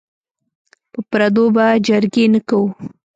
په پردو به جرګې نه کوو.